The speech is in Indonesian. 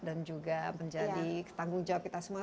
dan juga menjadi tanggung jawab kita semua